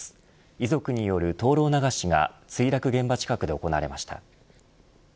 遺族による灯籠流しが墜落現場近くで行われました。